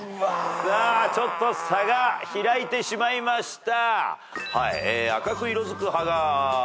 ちょっと差が開いてしまいました。